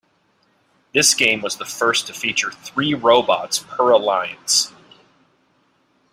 This game was the first to feature three robots per alliance.